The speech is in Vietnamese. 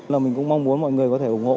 là mình cũng mong muốn mọi người có thể ủng hộ